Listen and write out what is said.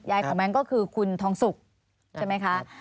ของแบงค์ก็คือคุณทองสุกใช่ไหมคะ